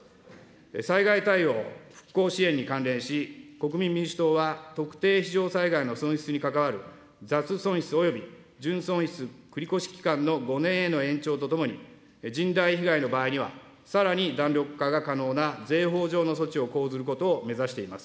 災害対応・復興支援に関連し、国民民主党は特定非常災害の損失に関わる、雑損失及び純損失繰越期間の５年への延長とともに、甚大被害の場合には、さらに弾力化が可能な税法上の措置を講ずることを目指しています。